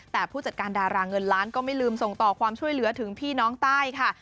แต่ผู้จัดการดาราเงินล้านก็ไม่ลืมส่งต่อความช่วยเหลือถึงพี่น้องใต้ค่ะ